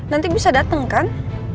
nanti bisa dateng kan